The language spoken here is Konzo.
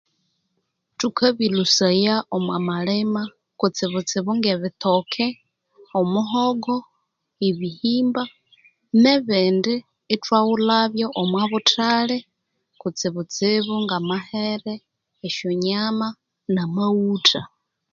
Thukabilhusaya omwa malima, kutsibutsibu nge bitoke, omuhogo, ebihimba, nebindi ithwaghulhabyo omwa buthali, kutsibutsibu nga mahere, esyo nyama na maghutha.